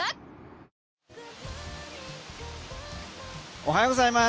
おはようございます。